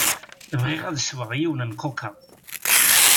Bɣiɣ ad sweɣ yiwen n kuka.